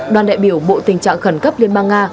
đoàn đại biểu bộ tình trạng khẩn cấp liên bang nga